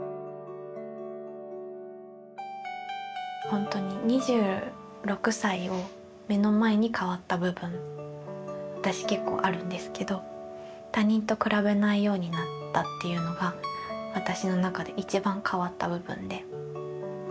ほんとに２６歳を目の前に変わった部分私結構あるんですけど他人と比べないようになったっていうのが私の中で一番変わった部分で。